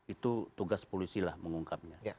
itu tugas polisi mengungkapnya